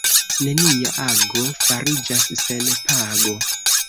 Nenia ago fariĝas sen pago.